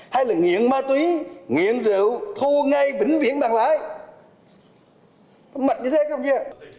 hay là nghiện ma túy nghiện rượu thu ngay vĩnh viễn bằng lãi mạnh như thế không chứ